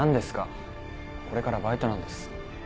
これからバイトなんです。